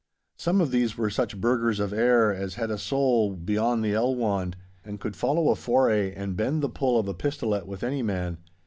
Some of these were such burghers of Ayr as had a soul beyond the ell wand, and could follow a foray and bend the pull of a pistolet with any man.